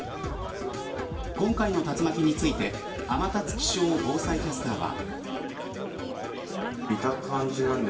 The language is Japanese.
今回の竜巻について天達気象防災キャスターは。